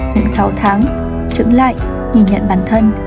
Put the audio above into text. những sáu tháng trưởng lại nhìn nhận bản thân